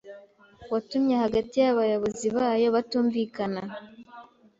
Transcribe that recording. watumye hagati y’abayobozi bayo batumvikana